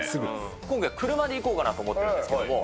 今回、車で行こうかなと思ってるんですけれども。